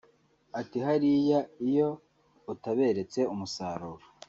Ati “Hariya iyo utaberetse musaruro